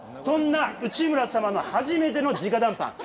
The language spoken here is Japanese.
そんな内村様の初めてのじか談判。